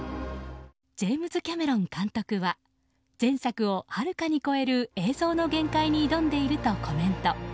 ジェームズ・キャメロン監督は前作をはるかに超える映像の限界に挑んでいるとコメント。